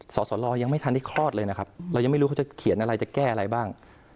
สสลยังไม่ทันได้คลอดเลยนะครับเรายังไม่รู้เขาจะเขียนอะไรจะแก้อะไรบ้าง